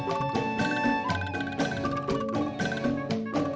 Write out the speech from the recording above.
selamat siang pak